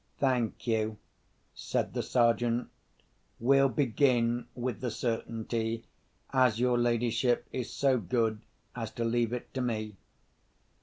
"Thank you," said the Sergeant. "We'll begin with the certainty, as your ladyship is so good as to leave it to me.